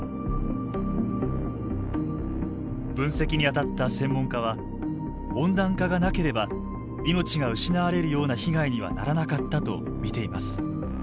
分析に当たった専門家は温暖化がなければ命が失われるような被害にはならなかったと見ています。